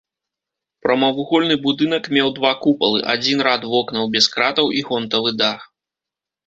Прамавугольны будынак меў два купалы, адзін рад вокнаў без кратаў і гонтавы дах.